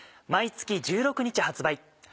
毎月１６日発売。